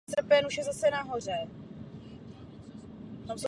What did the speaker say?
V posledních letech se přiklonil k buddhismu.